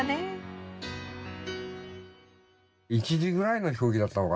１時ぐらいの飛行機だったのかな。